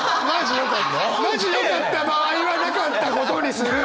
マジよかった場合はなかったことにする！